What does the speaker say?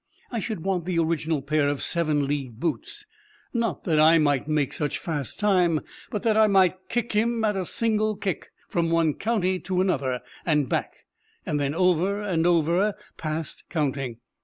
I should want the original pair of seven leagued boots, not that I might make such fast time, but that I might kick him at a single kick from one county to another, and back, and then over and over past counting.